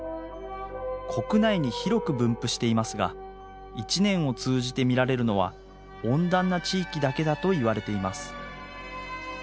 国内に広く分布していますが一年を通じて見られるのは温暖な地域だけだと言われています。